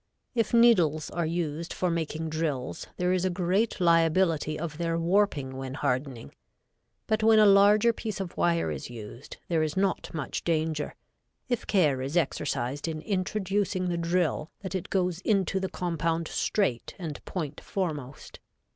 If needles are used for making drills there is a great liability of their warping when hardening, but when a larger piece of wire is used there is not much danger, if care is exercised in introducing the drill that it goes into the compound straight and point foremost.